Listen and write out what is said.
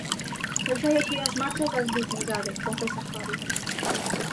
Eu xa deixei as Marchas da Dignidade, confesa Javi.